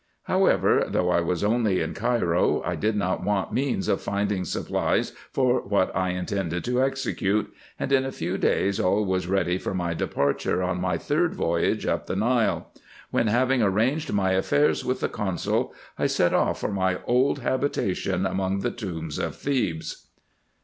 However, though I was only in Cairo, I did not want means of finding supplies for what I intended to execute, and in a few days all was ready for my departure on my third voyage up the Nile ; when, having arranged my affairs with the consul, I set off for my old habitation anion o the tombs of Thebes.